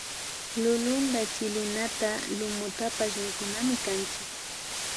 Lulunta chilinata lumutapash mikunamikanchik